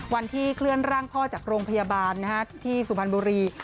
วันที่เคลื่อนร่างพ่อจากโรงพยาบาลที่สุพรรณบุรี